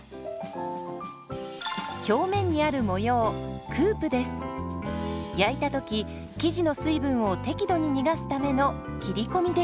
表面にある模様焼いた時生地の水分を適度に逃がすための切り込みです。